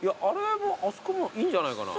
あそこもいいんじゃないかな？